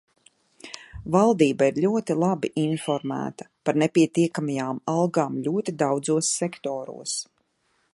Valdība ir ļoti labi informēta par nepietiekamajām algām ļoti daudzos sektoros.